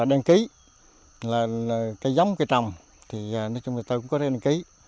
cây đăng ký là cây giống cây trồng thì nói chung là tôi cũng có đăng ký